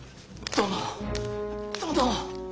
殿。